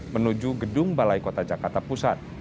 menuju gedung balai kota jakarta pusat